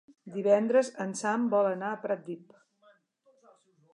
Divendres en Sam vol anar a Pratdip.